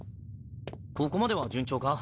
ここまでは順調か？